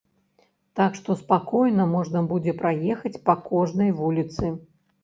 Так што спакойна можна будзе праехаць па кожнай вуліцы.